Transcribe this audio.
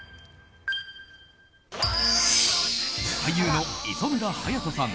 俳優の磯村勇斗さん